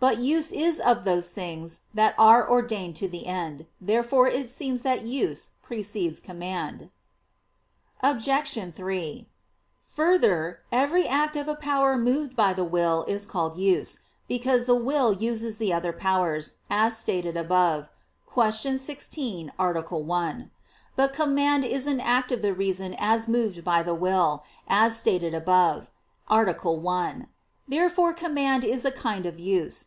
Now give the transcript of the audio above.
But use is of those things that are ordained to the end. Therefore it seems that use precedes command. Obj. 3: Further, every act of a power moved by the will is called use; because the will uses the other powers, as stated above (Q. 16, A. 1). But command is an act of the reason as moved by the will, as stated above (A. 1). Therefore command is a kind of use.